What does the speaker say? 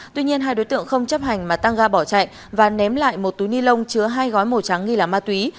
tuy nhiên hai đối tượng không chấp hành mà tăng ga bỏ chạy và ném lại một túi ni lông chứa hai gói màu trắng nghi là ma túy